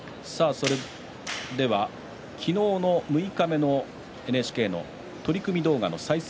昨日の六日目のＮＨＫの取組動画の再生